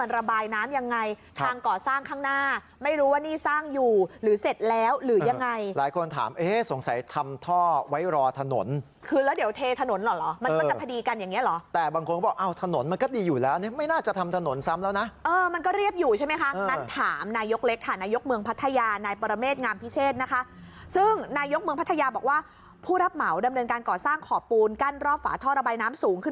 ระบายน้ำยังไงทางก่อสร้างข้างหน้าไม่รู้ว่านี่สร้างอยู่หรือเสร็จแล้วหรือยังไงหลายคนถามสงสัยทำท่อไว้รอถนนคือแล้วเดี๋ยวเทถนนหรอมันจะพอดีกันอย่างนี้หรอแต่บางคนบอกถนนมันก็ดีอยู่แล้วไม่น่าจะทำถนนซ้ำแล้วนะเออมันก็เรียบอยู่ใช่ไหมคะนั่นถามนายยกเล็กค่ะนายยกเมืองพัทยานายปรเมษงามพิเชศนะคะซึ